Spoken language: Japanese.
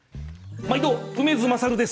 毎度、梅津勝です。